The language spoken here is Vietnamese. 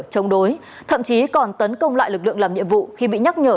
chống đối thậm chí còn tấn công lại lực lượng làm nhiệm vụ khi bị nhắc nhở